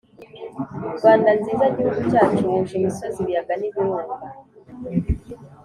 Rwanda nziza Gihugu cyacu wuje imisozi, ibiyaga n'ibirunga